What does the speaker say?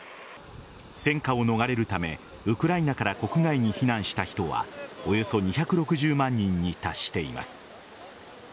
戦火を逃れるためウクライナから国外に避難した人はおよそ２６０万人に達しています。